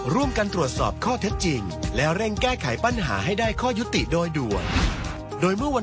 ร่วมกันตรวจสอบข้อเท็จจริงและเร่งแก้ไขปัญหาให้ได้ข้อยุติโดยด่วน